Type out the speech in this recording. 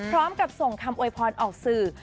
พร้อมกับส่งคำโวยพรออกสื่อ